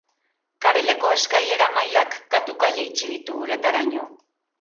Kareleko eskailera-mailak katuka jaitsi ditu uretaraino.